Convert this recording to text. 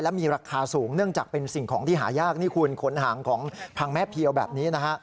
และที่สำคัญคุณมีหางงอกงอกออกมาด้วย